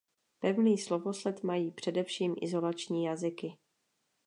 Pevný slovosled mají především izolační jazyky.